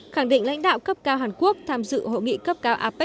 khẳng định lãnh đạo cấp cao hàn quốc tham dự hội nghị cấp cao apec hai nghìn một mươi bảy